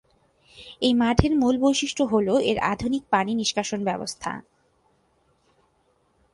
এই মাঠের মূল বৈশিষ্ট্য হল এর আধুনিক পানি নিষ্কাশন ব্যবস্থা।